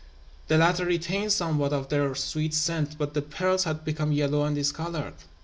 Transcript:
The latter retained somewhat of their sweet scent; but the pearls had become yellow and discoloured.